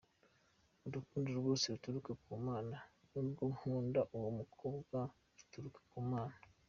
Urukundo rwose ruturuka ku Mana, n’urwo nkunda uwo mukobwa ruturuka ku Mana.